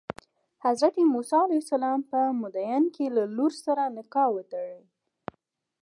حضرت موسی علیه السلام په مدین کې له لور سره نکاح وتړي.